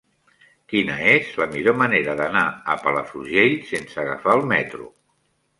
Quina és la millor manera d'anar a Palafrugell sense agafar el metro?